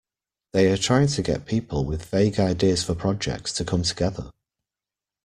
They're trying to get people with vague ideas for projects to come together.